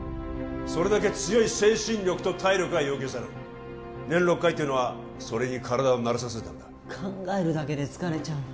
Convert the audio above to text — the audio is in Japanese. それだけ強い精神力と体力が要求される年６回というのはそれに体を慣れさせるためだ考えるだけで疲れちゃうよ